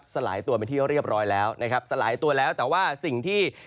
สลายตัวเป็นที่เรียบร้อยแล้วนะครับสลายตัวแล้วแต่ว่าสิ่งที่